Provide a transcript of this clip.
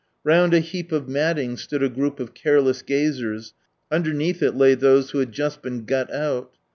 Round a heap of matting stood a group of careless gazers, underneath it lay those who had just been got out.